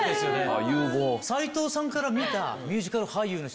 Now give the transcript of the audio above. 斎藤さんから見た。